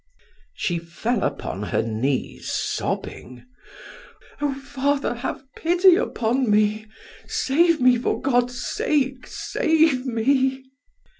She fell upon her knees sobbing: "Oh, father, have pity upon me. Save me, for God's sake, save me!"